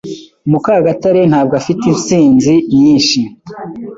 Mukagatare ntabwo afite intsinzi nyinshi.